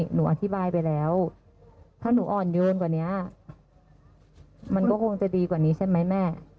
หนูอธิบายไปแล้วถ้าหนูอ่อนโยนกว่านี้มันก็คงจะดีกว่านี้ใช่ไหมแม่